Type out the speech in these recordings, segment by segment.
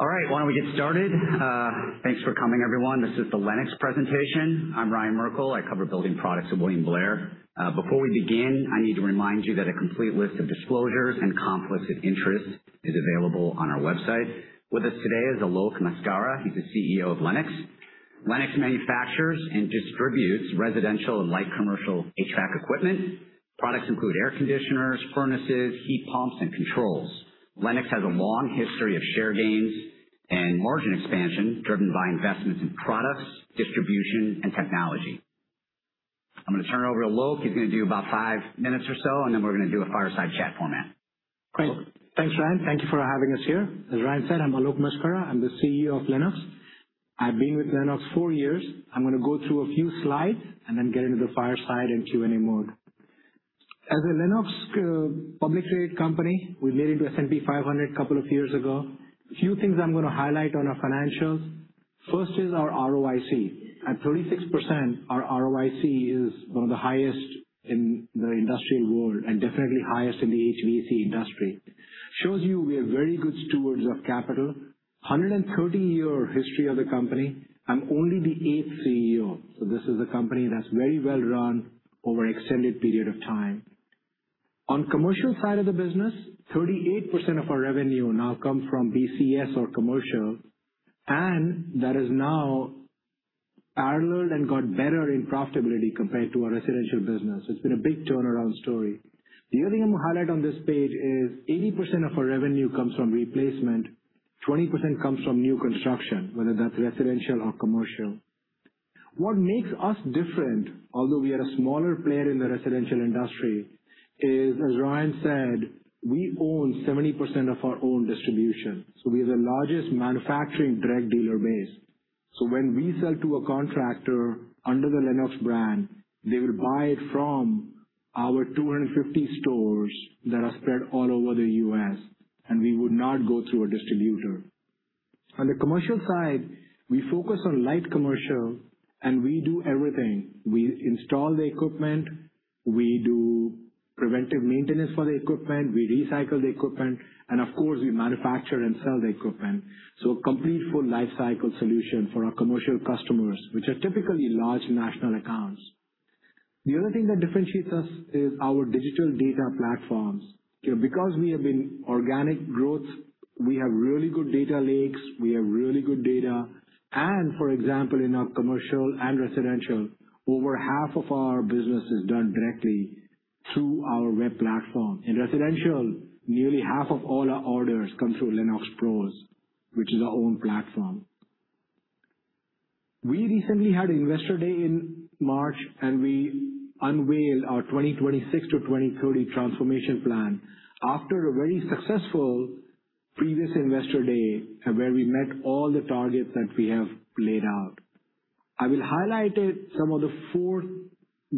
All right. Why don't we get started? Thanks for coming, everyone. This is the Lennox presentation. I'm Ryan Merkel. I cover building products at William Blair. Before we begin, I need to remind you that a complete list of disclosures and conflicts of interest is available on our website. With us today is Alok Maskara. He's the CEO of Lennox. Lennox manufactures and distributes residential and light commercial HVAC equipment. Products include air conditioners, furnaces, heat pumps and controls. Lennox has a long history of share gains and margin expansion, driven by investments in products, distribution, and technology. I'm going to turn it over to Alok. He's going to do about five minutes or so, and then we're going to do a fireside chat format. Great. Thanks, Ryan. Thank you for having us here. As Ryan said, I'm Alok Maskara. I'm the CEO of Lennox. I've been with Lennox four years. I'm going to go through a few slides and then get into the fireside and Q&A mode. As a Lennox public trade company, we made it to S&P 500 a couple of years ago. A few things I'm going to highlight on our financials. First is our ROIC. At 36%, our ROIC is one of the highest in the industrial world and definitely highest in the HVAC industry. Shows you we are very good stewards of capital. 130-year history of the company. I'm only the eighth CEO. This is a company that's very well run over extended period of time. On commercial side of the business, 38% of our revenue now comes from BCS or commercial, and that is now paralleled and got better in profitability compared to our residential business. It's been a big turnaround story. The other thing I'm going to highlight on this page is 80% of our revenue comes from replacement, 20% comes from new construction, whether that's residential or commercial. What makes us different, although we are a smaller player in the residential industry, is, as Ryan said, we own 70% of our own distribution. We are the largest manufacturing direct dealer base. When we sell to a contractor under the Lennox brand, they will buy it from our 250 stores that are spread all over the U.S., and we would not go through a distributor. On the commercial side, we focus on light commercial, and we do everything. We install the equipment, we do preventive maintenance for the equipment, we recycle the equipment, of course, we manufacture and sell the equipment. Complete full life cycle solution for our commercial customers, which are typically large national accounts. The other thing that differentiates us is our digital data platforms. We have been organic growth, we have really good data lakes, we have really good data. For example, in our commercial and residential, over half of our business is done directly through our web platform. In residential, nearly half of all our orders come through LennoxPros, which is our own platform. We recently had Investor Day in March, we unveiled our 2026 to 2030 transformation plan after a very successful previous Investor Day, where we met all the targets that we have laid out. I will highlight some of the four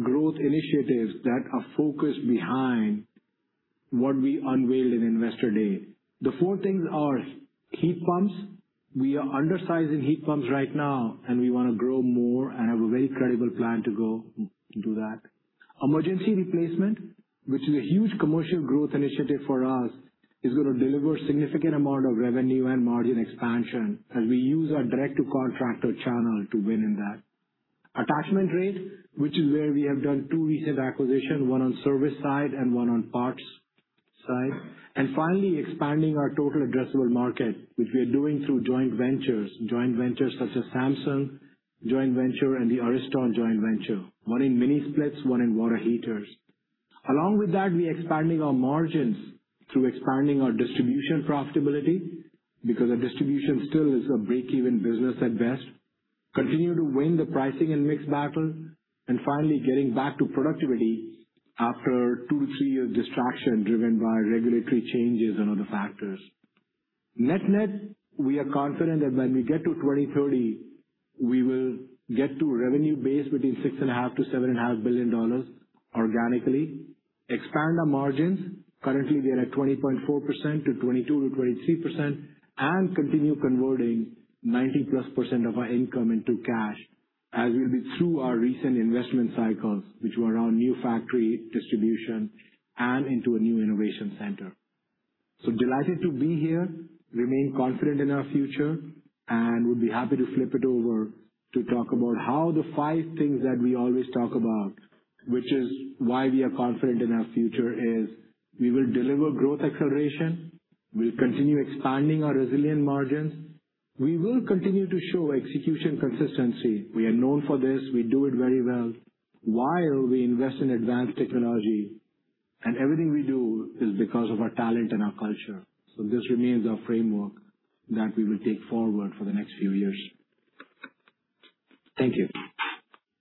growth initiatives that are focused behind what we unveiled in Investor Day. The four things are heat pumps. We are undersizing heat pumps right now, and we want to grow more and have a very credible plan to go do that. Emergency replacement, which is a huge commercial growth initiative for us, is going to deliver significant amount of revenue and margin expansion as we use our direct-to-contractor channel to win in that. Attachment rate, which is where we have done two recent acquisition, one on service side and one on parts side. Finally, expanding our total addressable market, which we are doing through joint ventures. Joint ventures such as Samsung Joint Venture and the Ariston Joint Venture, one in mini-splits, one in water heaters. Along with that, we are expanding our margins through expanding our distribution profitability, because our distribution still is a break-even business at best. Continue to win the pricing and mix battle. Finally, getting back to productivity after two to three years distraction driven by regulatory changes and other factors. Net-net, we are confident that when we get to 2030, we will get to revenue base between $6.5 billion-$7.5 billion organically, expand our margins. Currently, we are at 20.4%-22%-23%, and continue converting 90+% of our income into cash as will be through our recent investment cycles, which were around new factory distribution and into a new innovation center. I am delighted to be here. Remain confident in our future and would be happy to flip it over to talk about how the five things that we always talk about, which is why we are confident in our future, is we will deliver growth acceleration, we'll continue expanding our resilient margins. We will continue to show execution consistency. We are known for this. We do it very well while we invest in advanced technology, and everything we do is because of our talent and our culture. This remains our framework that we will take forward for the next few years. Thank you.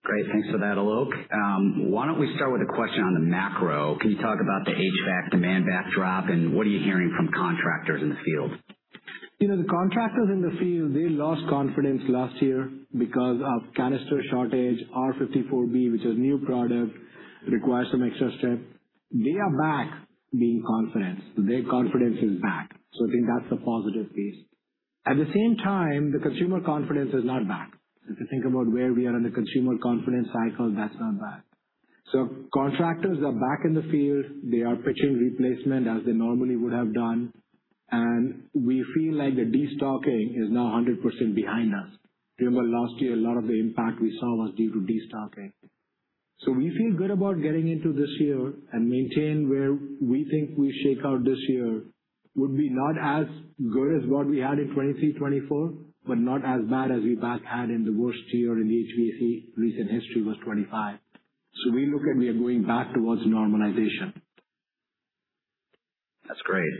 Great. Thanks for that, Alok. Why don't we start with a question on the macro? Can you talk about the HVAC demand backdrop and what are you hearing from contractors in the field? The contractors in the field, they lost confidence last year because of canister shortage, R-454B, which is new product, requires some extra step. They are back being confident. Their confidence is back. I think that's a positive piece. At the same time, the consumer confidence is not back. If you think about where we are in the consumer confidence cycle, that's not back. Contractors are back in the field. They are pitching replacement as they normally would have done, and we feel like the destocking is now 100% behind us. Remember last year, a lot of the impact we saw was due to destocking. We feel good about getting into this year and maintain where we think we shake out this year would be not as good as what we had in 2023-2024, but not as bad as we back had in the worst year in HVAC. Recent history was 2025. We look and we are going back towards normalization. That's great.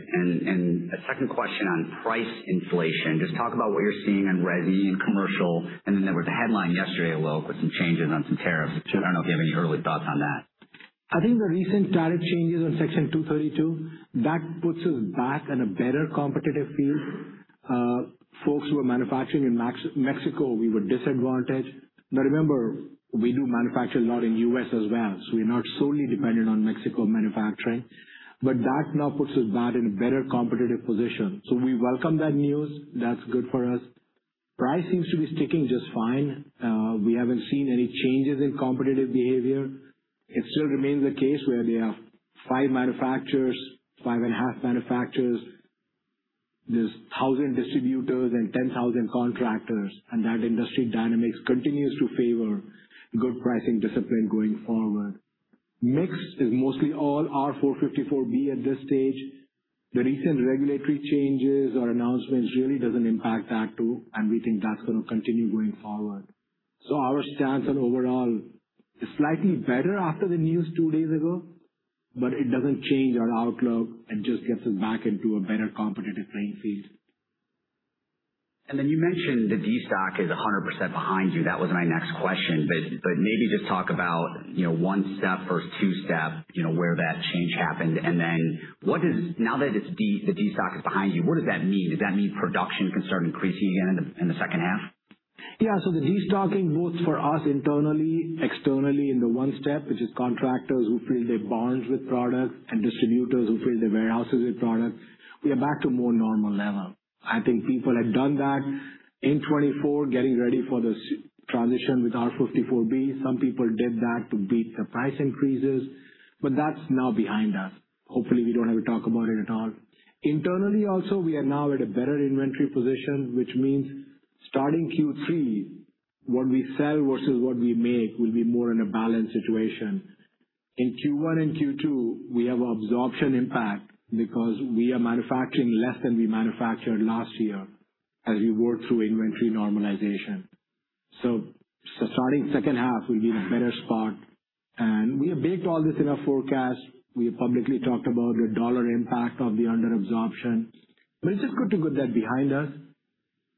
A second question on price inflation. Just talk about what you're seeing in resi and commercial, and then there was a headline yesterday, Alok, with some changes on some tariffs. I don't know if you have any early thoughts on that. I think the recent tariff changes on Section 232, that puts us back in a better competitive field. Folks who are manufacturing in Mexico, we were disadvantaged. Remember, we do manufacture a lot in U.S. as well. We're not solely dependent on Mexico manufacturing. That now puts us back in a better competitive position. We welcome that news. That's good for us. Price seems to be sticking just fine. We haven't seen any changes in competitive behavior. It still remains the case where there are five manufacturers, five and a half manufacturers. There's 1,000 distributors and 10,000 contractors, that industry dynamics continues to favor good pricing discipline going forward. Mix is mostly all R-454B at this stage. The recent regulatory changes or announcements really doesn't impact that too, we think that's going to continue going forward. Our stance on overall is slightly better after the news two days ago, but it doesn't change our outlook and just gets us back into a better competitive playing field. You mentioned the destock is 100% behind you. That was my next question. Maybe just talk about one step or two step, where that change happened. Now that the destock is behind you, what does that mean? Does that mean production can start increasing again in the second half? Yeah. The destocking, both for us internally, externally in the one step, which is contractors who fill their barns with product and distributors who fill their warehouses with product, we are back to more normal level. I think people had done that in 2024, getting ready for this transition with R-454B. That's now behind us. Hopefully, we don't have to talk about it at all. Internally, also, we are now at a better inventory position, which means starting Q3, what we sell versus what we make will be more in a balanced situation. In Q1 and Q2, we have absorption impact because we are manufacturing less than we manufactured last year as we work through inventory normalization. Starting second half, we'll be in a better spot, and we have baked all this in our forecast. We have publicly talked about the dollar impact of the under absorption, but it's just good to get that behind us.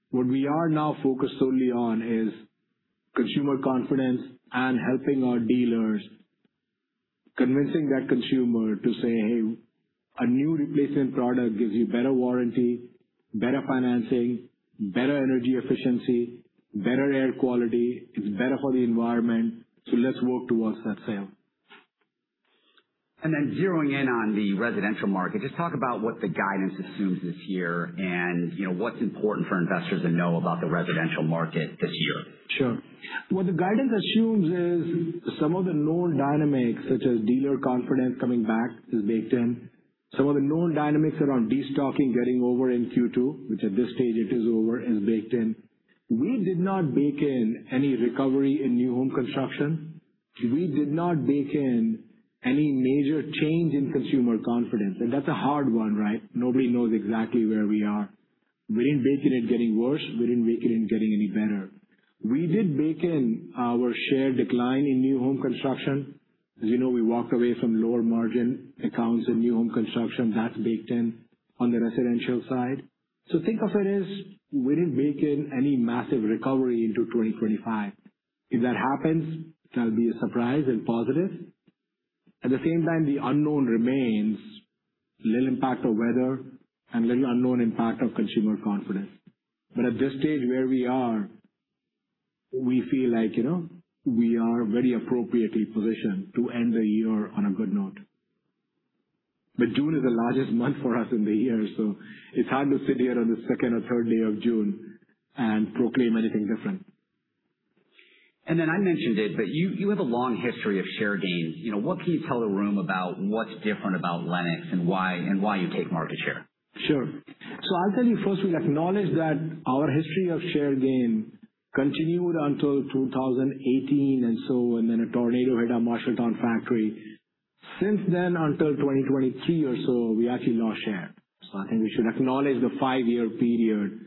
What we are now focused solely on is consumer confidence and helping our dealers convincing that consumer to say, hey, a new replacement product gives you better warranty, better financing, better energy efficiency, better air quality. It's better for the environment. Let's work towards that sale. Zeroing in on the residential market. Just talk about what the guidance assumes this year and what's important for investors to know about the residential market this year. Sure. What the guidance assumes is some of the known dynamics, such as dealer confidence coming back, is baked in. Some of the known dynamics around destocking getting over in Q2, which at this stage it is over, is baked in. We did not bake in any recovery in new home construction. We did not bake in any major change in consumer confidence. That's a hard one, right? Nobody knows exactly where we are. We didn't bake it in getting worse. We didn't bake it in getting any better. We did bake in our share decline in new home construction. As you know, we walked away from lower margin accounts in new home construction. That's baked in on the residential side. Think of it as we didn't bake in any massive recovery into 2025. If that happens, that'll be a surprise and positive. At the same time, the unknown remains little impact of weather and little unknown impact of consumer confidence. At this stage where we are, we feel like we are very appropriately positioned to end the year on a good note. June is the largest month for us in the year, so it's hard to sit here on the 2nd or 3rd day of June and proclaim anything different. I mentioned it, but you have a long history of share gains. What can you tell the room about what's different about Lennox and why you take market share? Sure. I'll tell you first, we acknowledge that our history of share gain continued until 2018, and then a tornado hit our Marshalltown factory. Since then, until 2023 or so, we actually lost share. I think we should acknowledge the five-year period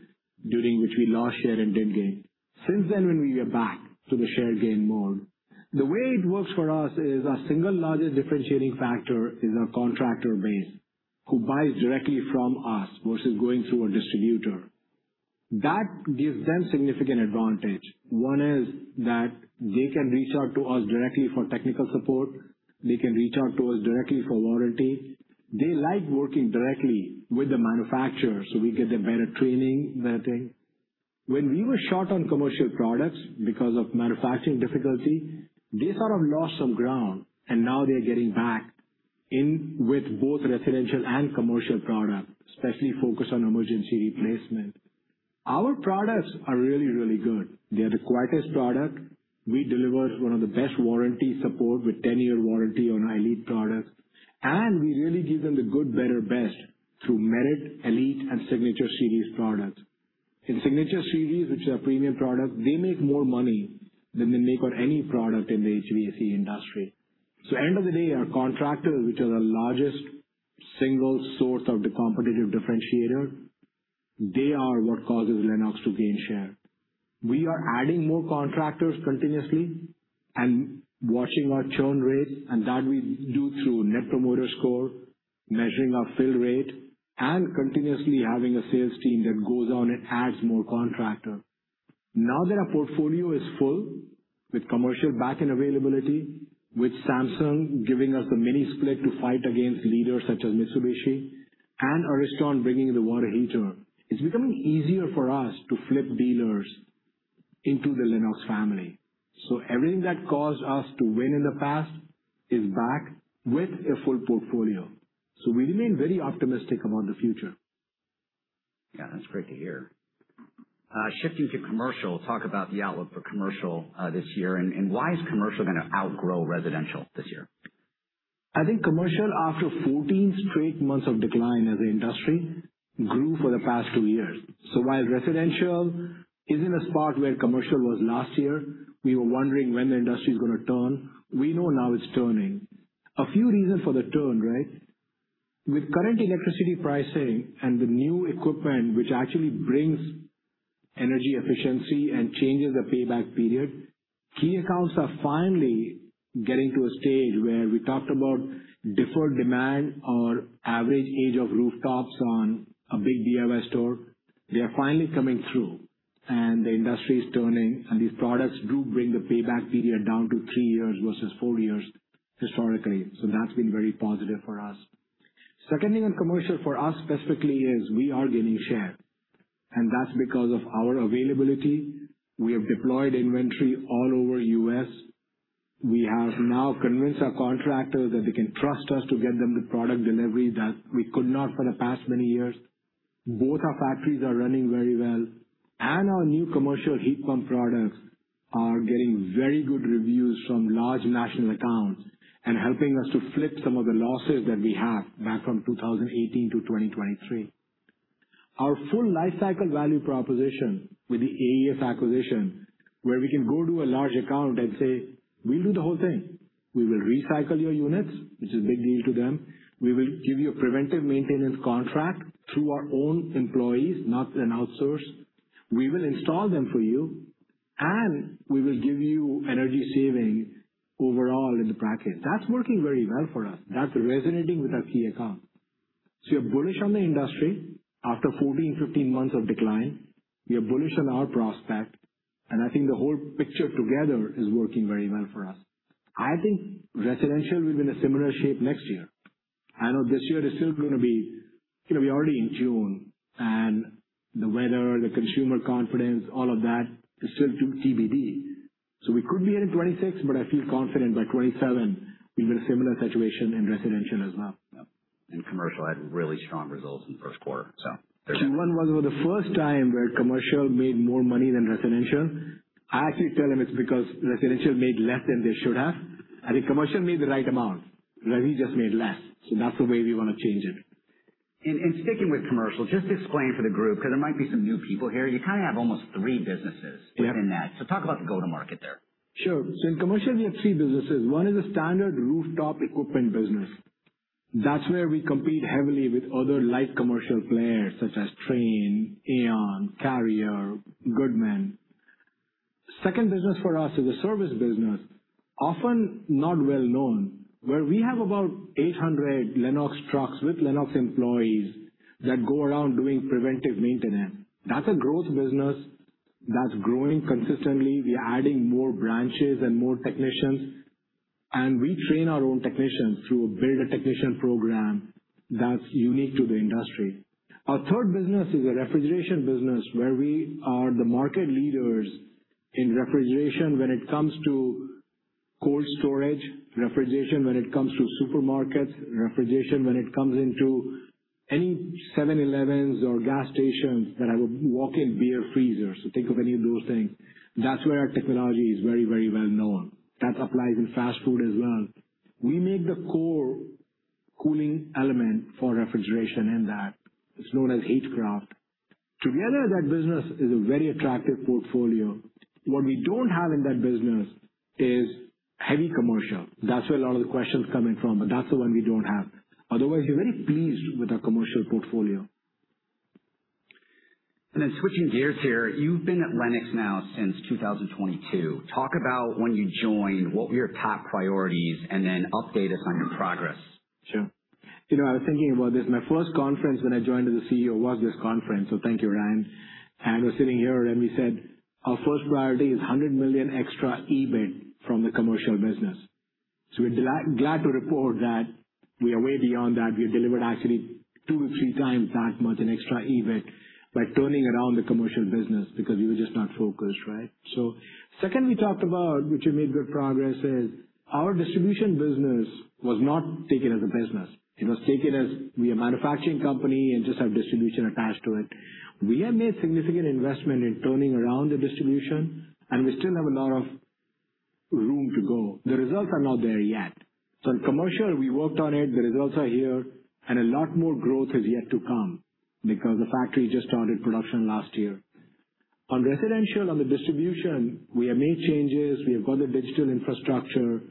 during which we lost share and didn't gain. Since then, when we are back to the share gain mode, the way it works for us is our single largest differentiating factor is our contractor base who buys directly from us versus going through a distributor. That gives them significant advantage. One is that they can reach out to us directly for technical support. They can reach out to us directly for warranty. They like working directly with the manufacturer, so we get them better training, better thing. We were short on commercial products because of manufacturing difficulty, they sort of lost some ground, and now they're getting back in with both residential and commercial product, especially focused on emergency replacement. Our products are really, really good. They are the quietest product. We deliver one of the best warranty support with 10-year warranty on our Elite products, and we really give them the good, better, best through Merit, Elite, and Signature Series products. In Signature Series, which are premium products, they make more money than they make on any product in the HVAC industry. At the end of the day, our contractors, which are the largest single source of the competitive differentiator, they are what causes Lennox to gain share. We are adding more contractors continuously and watching our churn rates, and that we do through Net Promoter Score, measuring our fill rate, and continuously having a sales team that goes on and adds more contractor. Now that our portfolio is full with commercial back in availability, with Samsung giving us the mini split to fight against leaders such as Mitsubishi and Ariston bringing the water heater, it's becoming easier for us to flip dealers into the Lennox family. Everything that caused us to win in the past is back with a full portfolio. We remain very optimistic about the future. Yeah, that's great to hear. Shifting to commercial, talk about the outlook for commercial, this year, and why is commercial going to outgrow residential this year? I think Commercial, after 14 straight months of decline as an industry, grew for the past two years. While Residential is in a spot where commercial was last year, we were wondering when the industry is going to turn. We know now it's turning. A few reasons for the turn, right? With current electricity pricing and the new equipment, which actually brings energy efficiency and changes the payback period, key accounts are finally getting to a stage where we talked about deferred demand or average age of rooftops on a big DIY store. They are finally coming through, and the industry is turning, and these products do bring the payback period down to three years versus four years historically. That's been very positive for us. Second thing on commercial for us specifically is we are gaining share, and that's because of our availability. We have deployed inventory all over U.S.. We have now convinced our contractors that they can trust us to get them the product delivery that we could not for the past many years. Both our factories are running very well, and our new commercial heat pump products are getting very good reviews from large national accounts and helping us to flip some of the losses that we have back from 2018-2023. Our full lifecycle value proposition with the AES acquisition, where we can go to a large account and say, we'll do the whole thing. We will recycle your units, which is a big deal to them. We will give you a preventive maintenance contract through our own employees, not an outsource. We will install them for you, and we will give you energy saving overall in the bracket. That's working very well for us. That's resonating with our key accounts. We are bullish on the industry after 14-15 months of decline. We are bullish on our prospect, and I think the whole picture together is working very well for us. I think residential will be in a similar shape next year. We're already in June, and the weather, the consumer confidence, all of that is still too TBD. We could be in at 2026, but I feel confident by 2027 we'll be in a similar situation in residential as well. Yep. Commercial had really strong results in the first quarter. There's that. One was for the first time where Commercial made more money than Residential. I actually tell them it's because Residential made less than they should have. I think Commercial made the right amount. Resi just made less. That's the way we want to change it. Sticking with Commercial, just explain to the group, because there might be some new people here. You kind of have almost three businesses- Yep. -within that. Talk about the go-to-market there. In Commercial, we have three businesses. One is a standard rooftop equipment business. That's where we compete heavily with other light commercial players such as Trane, Daikin, Carrier, Goodman. Second business for us is a service business, often not well known, where we have about 800 Lennox trucks with Lennox employees that go around doing preventive maintenance. That's a growth business that's growing consistently. We are adding more branches and more technicians, and we train our own technicians through a build-a-technician program that's unique to the industry. Our third business is a refrigeration business where we are the market leaders in refrigeration when it comes to cold storage, refrigeration when it comes to supermarkets, refrigeration when it comes into any 7-Elevens or gas stations that have walk-in beer freezers. Think of any of those things. That's where our technology is very, very well known. That applies in fast food as well. We make the core cooling element for refrigeration in that. It's known as Heatcraft. Together, that business is a very attractive portfolio. What we don't have in that business is heavy commercial. That's where a lot of the questions coming from, but that's the one we don't have. Otherwise, we're very pleased with our commercial portfolio. Switching gears here, you've been at Lennox now since 2022. Talk about when you joined, what were your top priorities, and then update us on your progress. Sure. I was thinking about this. My first conference when I joined as a CEO was this conference. Thank you, Ryan. We're sitting here, and we said our first priority is $100 million extra EBIT from the commercial business. We're glad to report that we are way beyond that. We delivered actually two or three times that much in extra EBIT by turning around the commercial business because we were just not focused, right? Second, we talked about, which we made good progress is our distribution business was not taken as a business. It was taken as we are a manufacturing company and just have distribution attached to it. We have made significant investment in turning around the distribution, and we still have a lot of room to go. The results are not there yet. In commercial, we worked on it, the results are here, and a lot more growth is yet to come because the factory just started production last year. On Residential, on the distribution, we have made changes. We have got the digital infrastructure.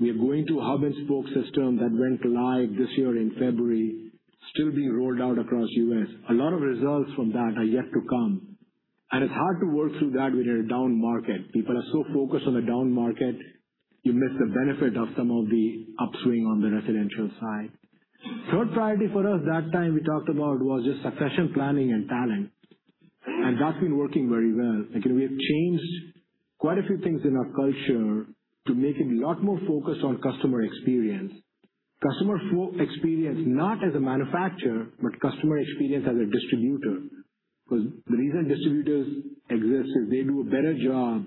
We are going to a hub and spoke system that went live this year in February, still being rolled out across U.S.. A lot of results from that are yet to come. It's hard to work through that when you're a down market. People are so focused on the down market, you miss the benefit of some of the upswing on the residential side. Third priority for us that time we talked about was just succession planning and talent, and that's been working very well. Again, we have changed quite a few things in our culture to make it a lot more focused on customer experience. Customer experience, not as a manufacturer, but customer experience as a distributor. The reason distributors exist is they do a better job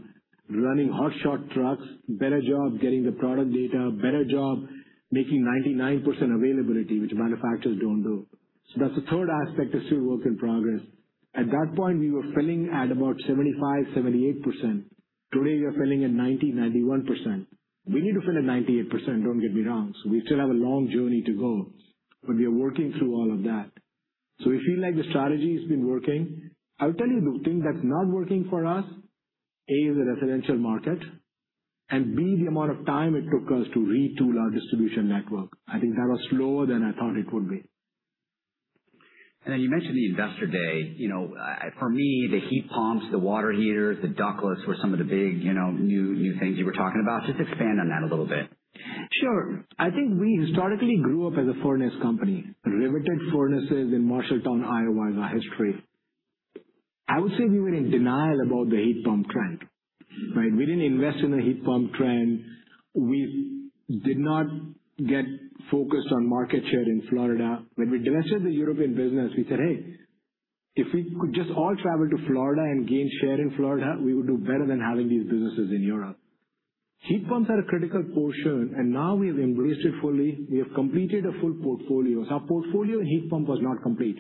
running hot shot trucks, better job getting the product data, better job making 99% availability, which manufacturers don't do. That's the third aspect that's still work in progress. At that point, we were filling at about 75%-78%. Today, we are filling at 90%-91%. We need to fill at 98%, don't get me wrong. We still have a long journey to go, but we are working through all of that. We feel like the strategy has been working. I'll tell you the thing that's not working for us, A, is the Residential market, and B, the amount of time it took us to retool our distribution network. I think that was slower than I thought it would be. You mentioned the Investor Day. For me, the heat pumps, the water heaters, the ductless were some of the big new things you were talking about. Just expand on that a little bit. Sure. I think we historically grew up as a furnace company. Riveted furnaces in Marshalltown, Iowa, is our history. I would say we were in denial about the heat pump trend. We didn't invest in the heat pump trend. We did not get focused on market share in Florida. When we divested the European business, we said, hey, if we could just all travel to Florida and gain share in Florida, we would do better than having these businesses in Europe. Heat pumps are a critical portion, and now we have embraced it fully. We have completed a full portfolio. Our portfolio in heat pump was not complete.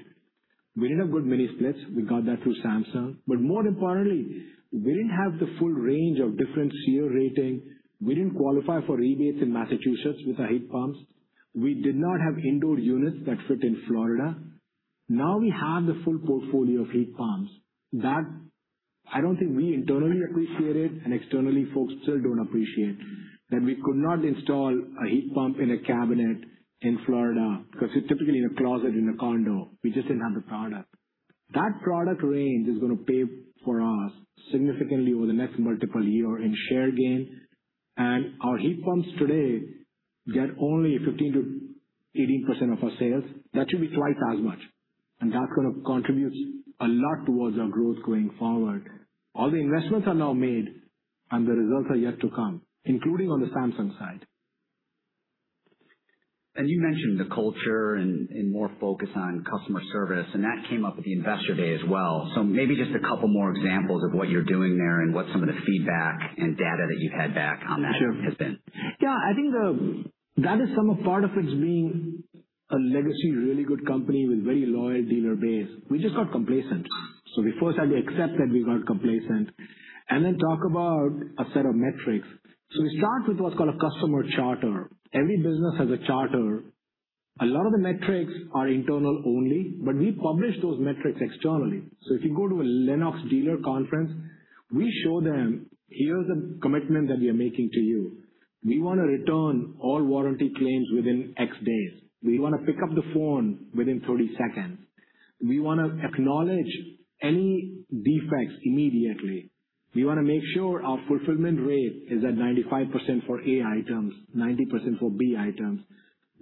We didn't have good mini splits. We got that through Samsung. More importantly, we didn't have the full range of different SEER rating. We didn't qualify for rebates in Massachusetts with our heat pumps. I don't think we internally appreciate it and externally folks still don't appreciate. We could not install a heat pump in a cabinet in Florida because it's typically in a closet in a condo. We just didn't have the product. Product range is going to pay for us significantly over the next multiple year in share gain. Our heat pumps today get only 15%-18% of our sales. Should be twice as much, and that's going to contribute a lot towards our growth going forward. All the investments are now made and the results are yet to come, including on the Samsung side. You mentioned the culture and more focus on customer service, and that came up at the investor day as well. Maybe just a couple more examples of what you're doing there and what some of the feedback and data that you've had back on that. Sure has been. Yeah, I think that is some of part of it's being a legacy, really good company with very loyal dealer base. We just got complacent. We first had to accept that we got complacent and then talk about a set of metrics. We start with what's called a customer charter. Every business has a charter. A lot of the metrics are internal only, but we publish those metrics externally. If you go to a Lennox dealer conference, we show them, here's a commitment that we are making to you. We want to return all warranty claims within X days. We want to pick up the phone within 30 seconds. We want to acknowledge any defects immediately. We want to make sure our fulfillment rate is at 95% for A items, 90% for B items.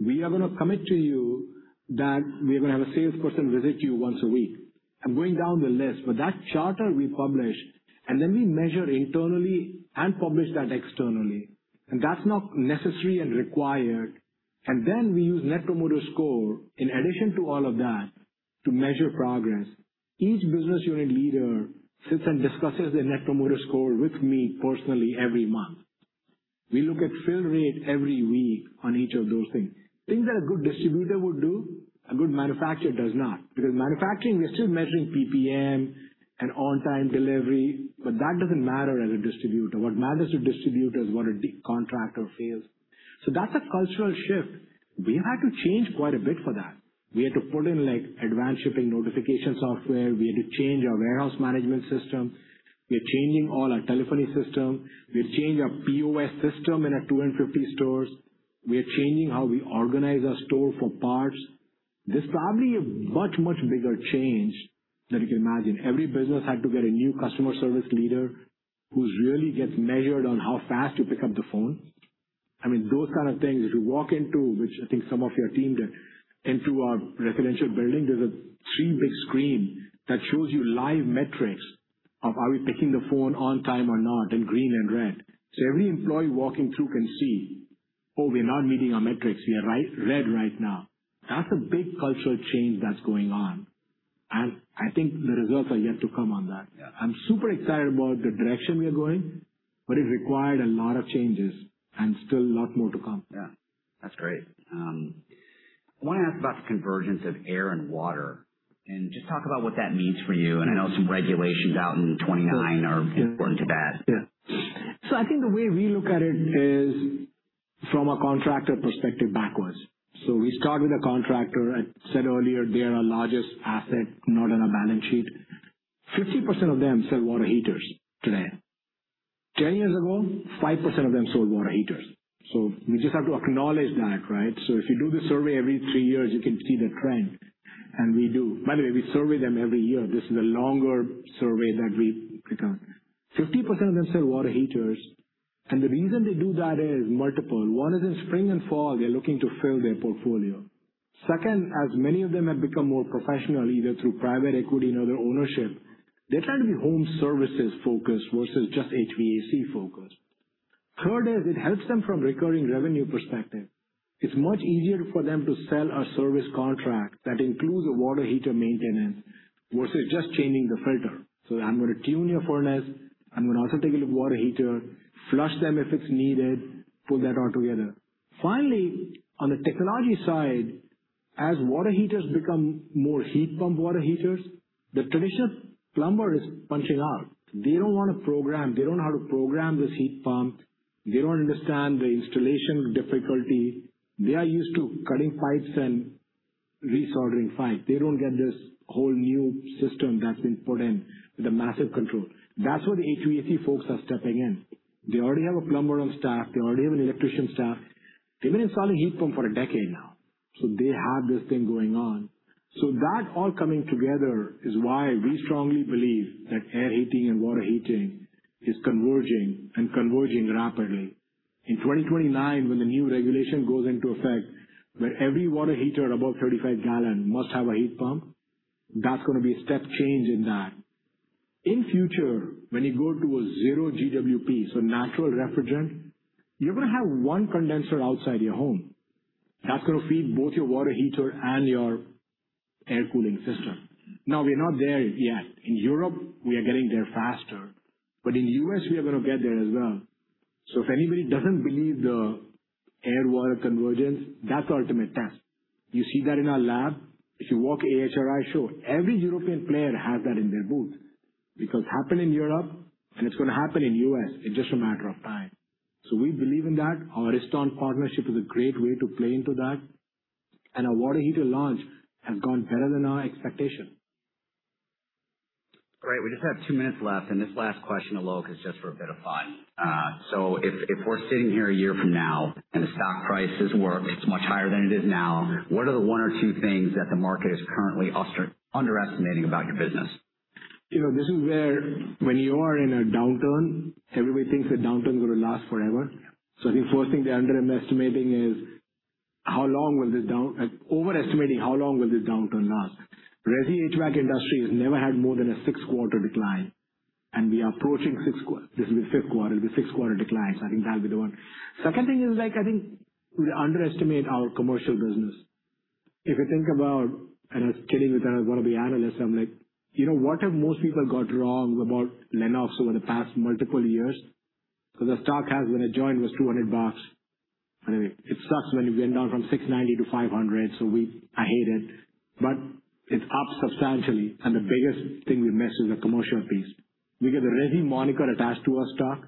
We are going to commit to you that we are going to have a salesperson visit you once a week. I'm going down the list. That charter we publish, then we measure internally and publish that externally, and that's not necessary and required. Then we use Net Promoter Score in addition to all of that to measure progress. Each business unit leader sits and discusses their Net Promoter Score with me personally every month. We look at fill rate every week on each of those things. Things that a good distributor would do, a good manufacturer does not. Manufacturing is still measuring PPM and on-time delivery, but that doesn't matter as a distributor. What matters to distributor is what a contract or sale is. That's a cultural shift. We had to change quite a bit for that. We had to put in advanced shipping notification software. We had to change our warehouse management system. We're changing all our telephony system. We've changed our POS system in our 250 stores. We are changing how we organize our store for parts. This is probably a much, much bigger change than you can imagine. Every business had to get a new customer service leader who really gets measured on how fast you pick up the phone. I mean, those kind of things. If you walk into, which I think some of your team did, into our residential building, there's a three big screen that shows you live metrics of are we picking the phone on time or not in green and red. Every employee walking through can see, oh, we're not meeting our metrics. We are red right now. That's a big cultural change that's going on. I think the results are yet to come on that. Yeah. I'm super excited about the direction we are going, but it required a lot of changes and still a lot more to come. Yeah. That's great. I want to ask about the convergence of air and water, and just talk about what that means for you. I know some regulations out in 2029 are important to that. Yeah. I think the way we look at it is from a contractor perspective backwards. We start with a contractor. I said earlier, they are our largest asset, not on our balance sheet. 50% of them sell water heaters today. 10 years ago, 5% of them sold water heaters. We just have to acknowledge that, right? If you do the survey every three years, you can see the trend, and we do. By the way, we survey them every year. This is a longer survey that we conduct. 50% of them sell water heaters, and the reason they do that is multiple. One is in spring and fall, they're looking to fill their portfolio. Second, as many of them have become more professional, either through private equity and other ownership, they try to be home services-focused versus just HVAC-focused. Third is it helps them from recurring revenue perspective. It's much easier for them to sell a service contract that includes a water heater maintenance versus just changing the filter. I'm going to tune your furnace. I'm going to also take a look water heater, flush them if it's needed, put that all together. Finally, on the technology side, as water heaters become more heat pump water heaters, the traditional plumber is punching out. They don't want to program. They don't know how to program this heat pump. They don't understand the installation difficulty. They are used to cutting pipes and resoldering pipes. They don't get this whole new system that's been put in with a massive control. That's where the HVAC folks are stepping in. They already have a plumber on staff. They already have an electrician staff. They've been installing heat pump for a decade now, so they have this thing going on. That all coming together is why we strongly believe that air heating and water heating is converging and converging rapidly. In 2029, when the new regulation goes into effect, where every water heater above 35 gal must have a heat pump, that's going to be a step change in that. In future, when you go to a zero GWP, so natural refrigerant, you're going to have one condenser outside your home that's going to feed both your water heater and your air cooling system. Now we're not there yet. In Europe, we are getting there faster, but in the U.S. we are going to get there as well. If anybody doesn't believe the air water convergence, that's the ultimate test. You see that in our lab. If you walk AHR Expo, every European player has that in their booth because it happened in Europe and it's going to happen in U.S. in just a matter of time. We believe in that. Our Ariston partnership is a great way to play into that, and our water heater launch has gone better than our expectation. Great. We just have two minutes left, and this last question, Alok, is just for a bit of fun. If we're sitting here a year from now and the stock price is worth much higher than it is now, what are the one or two things that the market is currently underestimating about your business? This is where when you are in a downturn, everybody thinks the downturn is going to last forever. I think first thing they're underestimating is overestimating how long will this downturn last. Resi HVAC industry has never had more than a six quarter decline, and we are approaching six quarter. This will be the fifth quarter. It'll be sixth quarter decline, so I think that'll be the one. Second thing is I think we underestimate our commercial business. If you think about, and I was kidding with one of the analysts, I'm like, what have most people got wrong about Lennox over the past multiple years? The stock has, when I joined, was $200. Anyway, it sucks when you went down from $690 to $500, so I hate it. It's up substantially, and the biggest thing we missed is the commercial piece. We get the resi moniker attached to our stock,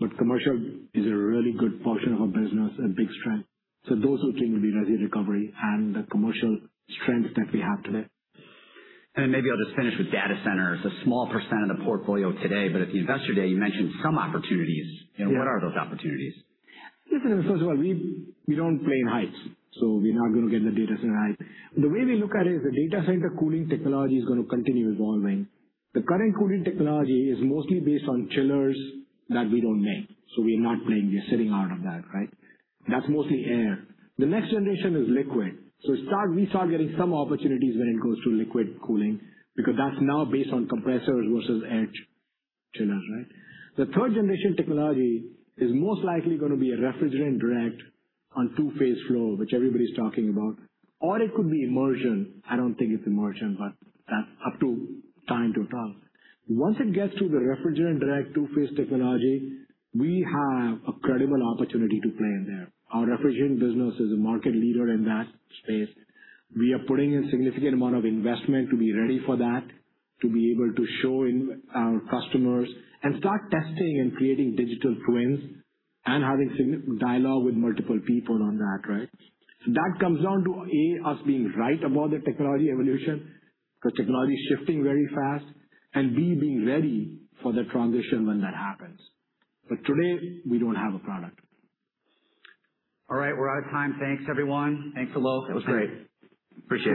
but Commercial is a really good portion of our business and big strength. Those two things will be resi recovery and the commercial strength that we have today. Maybe I'll just finish with data centers, a small percent of the portfolio today, but at the investor day, you mentioned some opportunities. Yeah. What are those opportunities? Listen, first of all, we don't play in heights. We're not going to get in the data center height. The way we look at it is the data center cooling technology is going to continue evolving. The current cooling technology is mostly based on chillers that we don't make. We are not playing. We are sitting out of that, right? That's mostly air. The next-generation is liquid. We start getting some opportunities when it goes to liquid cooling because that's now based on compressors versus air chillers, right? The third-generation technology is most likely going to be a refrigerant direct on two-phase flow, which everybody's talking about, or it could be immersion. I don't think it's immersion. That's up to time to tell. Once it gets to the refrigerant direct two-phase technology, we have a credible opportunity to play in there. Our refrigerant business is a market leader in that space. We are putting in significant amount of investment to be ready for that, to be able to show our customers and start testing and creating digital twins and having dialogue with multiple people on that, right? That comes down to, A, us being right about the technology evolution. The technology is shifting very fast, and B, being ready for the transition when that happens. Today, we don't have a product. All right. We're out of time. Thanks, everyone. Thanks, Alok. That was great. Appreciate it.